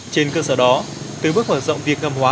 trên cơ sở đó từ bước hoạt động việc ngầm hóa